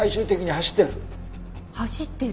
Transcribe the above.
走ってる？